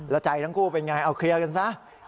แล้วใจทั้งคู่เป็นไงเอาเคลียร์กันซะ